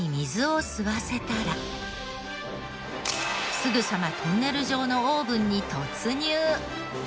すぐさまトンネル状のオーブンに突入。